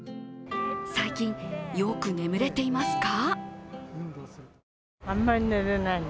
最近よく眠れていますか？